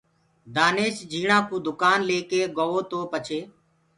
دآنيش جھيٚڻآ ڪو دُڪآن ليڪي گوو تو پڇي